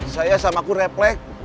saya sama kun refleks